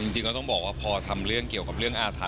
จริงก็ต้องบอกว่าพอทำเรื่องเกี่ยวกับเรื่องอาถรร